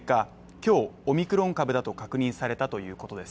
今日、オミクロン株だと確認されたということです。